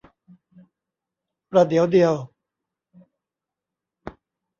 ประเดี๋ยวเดียว